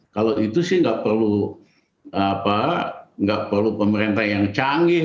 kalau itu sih nggak perlu pemerintah yang canggih